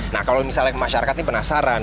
nah kalau misalnya masyarakat ini penasaran